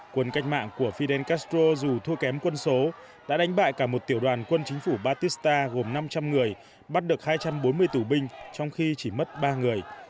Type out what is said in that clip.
quân cách mạng của fidel castro dù thua kém quân số đã đánh bại cả một tiểu đoàn quân chính phủ batista gồm năm trăm linh người bắt được hai trăm bốn mươi tù binh trong khi chỉ mất ba người